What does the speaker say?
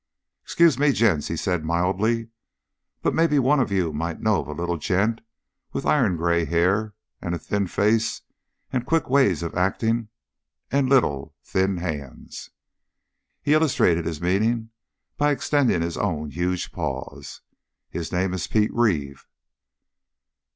"Excuse me, gents," he said mildly. "But maybe one of you might know of a little gent with iron gray hair and a thin face and quick ways of acting and little, thin hands." He illustrated his meaning by extending his own huge paws. "His name is Pete Reeve."